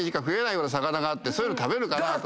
そういうの食べるかなと思って。